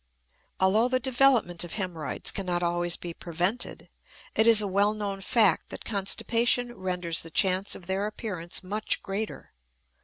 Although the development of hemorrhoids cannot always be prevented, it is a well known fact that constipation renders the chance of their appearance much greater.